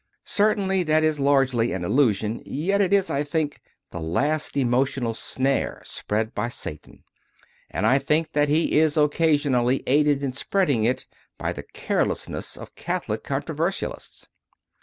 Certainly that is largely an illusion; yet it is, I think, the last emotional snare spread by Satan; and I think that he is occa sionally aided in spreading it by the carelessness of Catholic controversialists.